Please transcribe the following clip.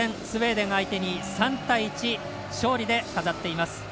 スウェーデン相手に３対１勝利で飾っています。